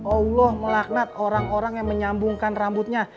allah melaknat orang orang yang menyambungkan rambutnya